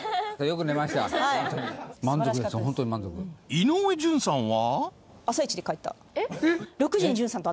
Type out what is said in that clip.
［井上順さんは？］